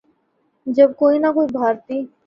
جب کوئی نہ کوئی بھارتی